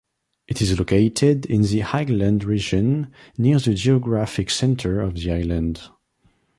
It is located in the highlands region, near the geographic center of the island.